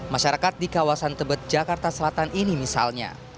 masyarakat di kawasan tebet jakarta selatan ini misalnya